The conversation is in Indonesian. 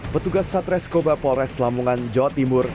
pertugas satreskoba polres lamungan jawa timur